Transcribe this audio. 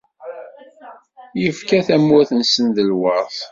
Ifka tamurt-nsen d lweṛt.